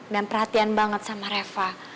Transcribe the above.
dan perhatian banget sama reva